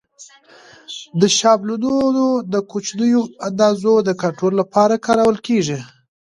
دا شابلونونه د کوچنیو اندازو د کنټرول لپاره کارول کېږي.